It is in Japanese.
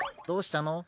どうしたの？